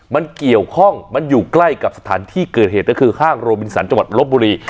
มันเกี่ยวข้องมันอยู่ใกล้กับสถานที่เกิดเหตุก็คือห้างโรบินสันจังหวัดลบบุรี